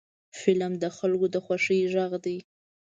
فلم د خلکو د خوښۍ غږ دی